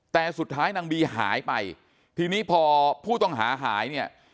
แต่สุดท้ายนางบีหายไปทีนี้พอผู้ต้องหาหายเนี่ย